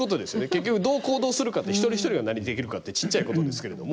結局どう行動するかって一人一人が何ができるかってちっちゃいことですけれども。